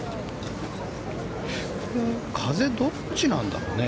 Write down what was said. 風、どっちなんだろうね。